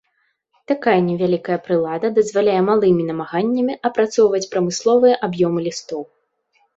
Такая невялікая прылада дазваляе малымі намаганнямі апрацоўваць прамысловыя аб'ёмы лістоў.